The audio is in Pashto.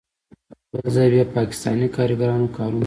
بل ځای بیا پاکستانی کاریګرانو کارونه کول.